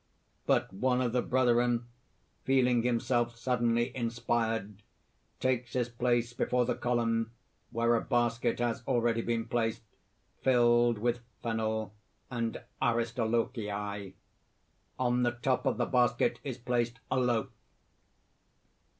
_But one of the brethren, feeling himself suddenly inspired, takes his place before the column, where a basket has already been placed, filled with fennel and aristolochia. On the top of the basket is placed a loaf.